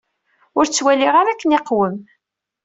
Ur ttwaliɣ ara akken iqwem.